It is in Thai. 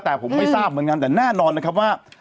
แต่ผมไม่ทราบเหมือนกันแต่แน่นอนนะครับว่า